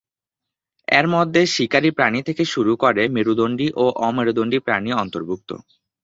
এরমধ্যে শিকারি প্রাণি থেকে শুরু করে মেরুদণ্ডী ও অমেরুদণ্ডী প্রাণী অন্তর্ভুক্ত।